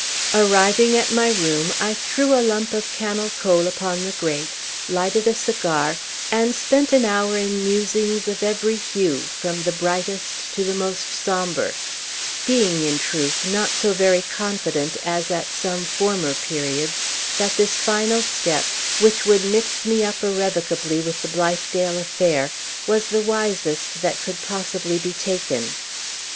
Arriving at my room, I threw a lump of cannel coal upon the grate, lighted a cigar, and spent an hour in musings of every hue, from the brightest to the most sombre; being, in truth, not so very confident as at some former periods that this final step, which would mix me up irrevocably with the Blithedale affair, was the wisest that could possibly be taken.